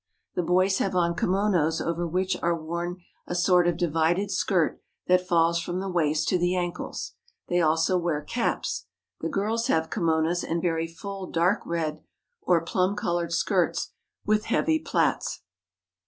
The boys have on kimonos over which are worn a sort of divided skirt that falls from the waist to the ankles. They also wear caps. The girls have kimonos and very full dark red or plum colored skirts with heavy plaits.